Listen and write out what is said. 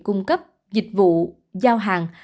cung cấp dịch vụ giao hàng